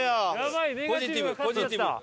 ポジティブポジティブ。